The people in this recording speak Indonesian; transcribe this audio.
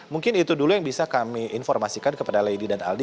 mungkin itu dulu yang bisa kami informasikan kepada lady dan aldi